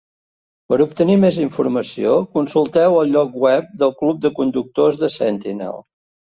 Per obtenir més informació, consulteu el lloc web del Club de Conductors de Sentinel.